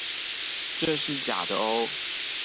這是假的喔